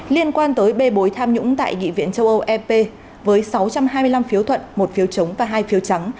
liên quan tới bê bối tham nhũng tại nghị viện châu âu ep với sáu trăm hai mươi năm phiếu thuận một phiếu chống và hai phiếu trắng